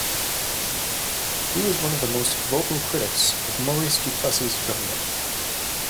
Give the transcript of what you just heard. He was one of the most vocal critics of Maurice Duplessis's government.